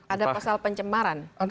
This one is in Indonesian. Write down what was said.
ada pasal pencemaran